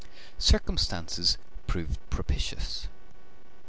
Circumstances proved propitious.